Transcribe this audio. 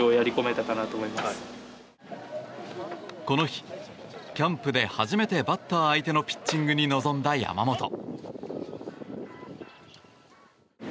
この日、キャンプで初めてバッター相手のピッチングに臨んだ山本。